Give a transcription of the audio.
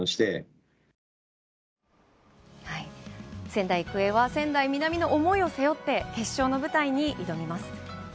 仙台育英は仙台南の思いを背負って決勝の舞台に挑みます。